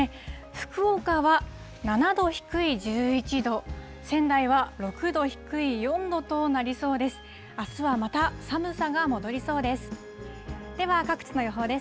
福岡は７度低い１１度、仙台は６度低い４度となりそうです。